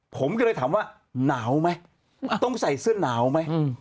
ผมก็เลยถามว่าหนาวไหมต้องใส่เสื้อหนาวไหม